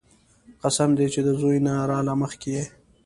قسم دې چې د زوى نه راله مخکې يې.